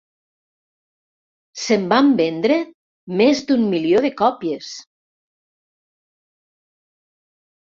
Se'n van vendre més d'un milió de còpies.